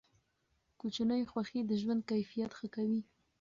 کوچني خوښۍ د ژوند کیفیت ښه کوي.